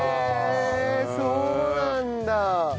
へえそうなんだ！